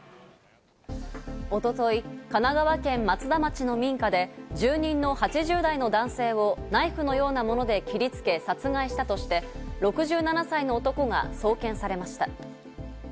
一昨日、神奈川県松田町の民家で住人の８０代の男性をナイフのようなもので切りつけ殺害したとして、６７歳の男が送検されました。